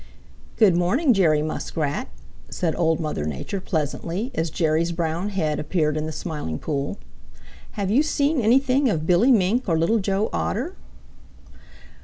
"Good morning, Jerry Muskrat," said Old Mother Nature pleasantly, as Jerry's brown head appeared in the Smiling Pool. "Have you seen anything of Billy Mink or Little Joe Otter?"